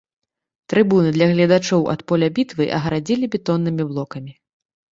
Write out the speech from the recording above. Трыбуны для гледачоў ад поля бітвы агарадзілі бетоннымі блокамі.